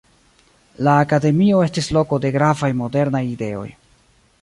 La akademio estis loko de gravaj modernaj ideoj.